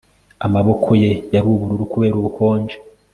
Amaboko ye yari ubururu kubera ubukonje